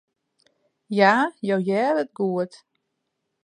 Ja, jo hearre it goed.